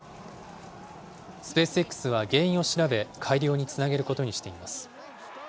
スペースＸは原因を調べ、改良につなげることにしています。